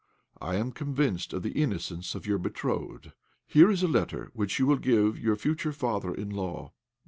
I am convinced of the innocence of your betrothed. Here is a letter which you will give your future father in law."